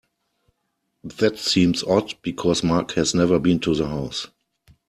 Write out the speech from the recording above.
That seems odd because Mark has never been to the house.